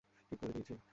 ঠিক করে দিয়েছি।